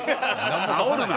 あおるな！